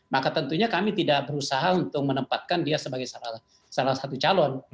maka tentunya kami tidak berusaha untuk menempatkan dia sebagai salah satu calon